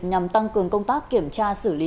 nhằm tăng cường công tác kiểm tra xử lý